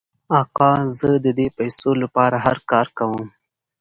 آقا زه د دې پیسو لپاره هر کار کوم.